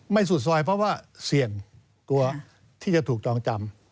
สุดซอยเพราะว่าเสี่ยงกลัวที่จะถูกจองจำ